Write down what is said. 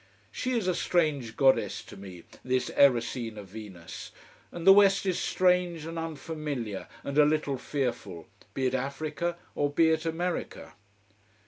She is a strange goddess to me, this Erycina Venus, and the west is strange and unfamiliar and a little fearful, be it Africa or be it America.